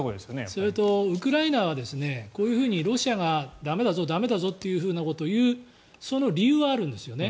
それと、ウクライナはこういうふうにロシアが駄目だぞ、駄目だぞということを言うその理由はあるんですよね。